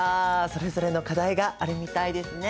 それぞれの課題があるみたいですね。